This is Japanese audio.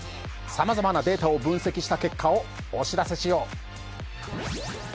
さまざまなデータを分析した結果をお知らせしよう。